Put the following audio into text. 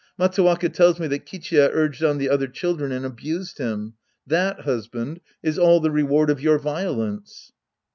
Matsuwaka tells me that Kichiya urged on the other cliildren and abused him. That, husband, is all the reward of your violence.